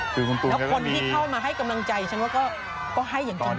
แล้วคนที่เข้ามาให้กำลังใจฉันว่าก็ให้อย่างจริง